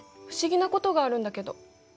不思議なことがあるんだけど？